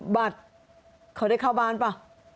บัตรเขาได้เข้าบ้านป่ะ